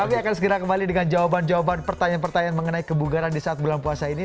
kami akan segera kembali dengan jawaban jawaban pertanyaan pertanyaan mengenai kebugaran di saat bulan puasa ini